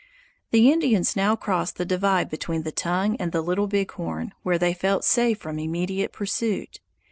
The Indians now crossed the divide between the Tongue and the Little Big Horn, where they felt safe from immediate pursuit.